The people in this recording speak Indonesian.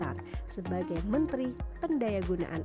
pak ini selama dua periode menjabat